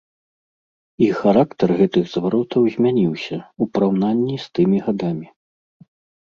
І характар гэтых зваротаў змяніўся, у параўнанні з тымі гадамі.